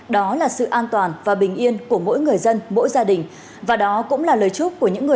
đó là một ngày vui vẻ sống sống